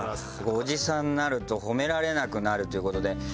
おじさんになると褒められなくなるという事で。